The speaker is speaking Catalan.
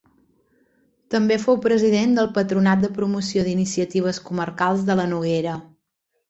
També és fou president del Patronat de Promoció d'Iniciatives Comarcals de la Noguera.